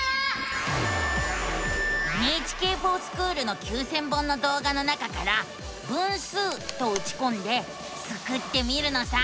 「ＮＨＫｆｏｒＳｃｈｏｏｌ」の９，０００本の動画の中から「分数」とうちこんでスクってみるのさ！